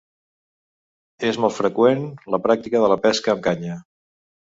És molt freqüent la pràctica de la pesca amb canya.